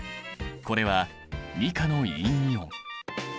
これは２価の陰イオン。